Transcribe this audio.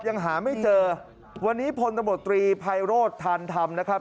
ยังหาไม่เจอวันนี้พลตมตรีไพโรธทานธรรมนะครับ